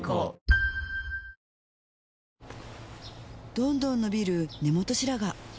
どんどん伸びる根元白髪